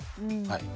はい。